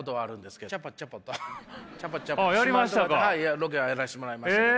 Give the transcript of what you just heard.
ロケはやらせてもらいましたけど。